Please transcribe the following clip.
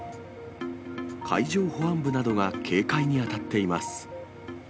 海上保安部などが警戒に当たっています。